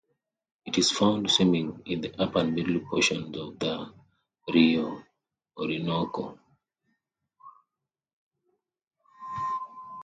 It is found swimming in the upper and middle portions of the Rio Orinoco.